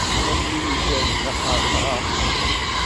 Am win ikerrzen aqerqaṛ.